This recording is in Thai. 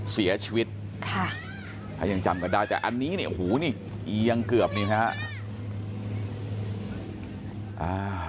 เสียชีวิตค่ะถ้ายังจำกันได้แต่อันนี้เนี่ยหูนี่เอียงเกือบนี่นะฮะ